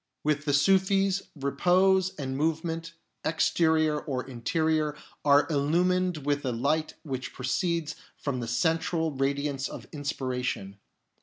With the Sufis, repose and move ment, exterior or interior, are illumined with the light which proceeds from the Central Radiance of Inspiration.